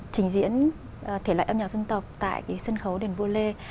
trình diễn thể loại âm nhạc dân tộc tại sân khấu đền vua lê